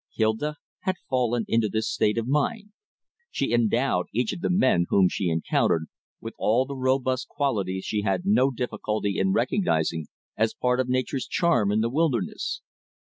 Hilda had fallen into this state of mind. She endowed each of the men whom she encountered with all the robust qualities she had no difficulty in recognizing as part of nature's charm in the wilderness.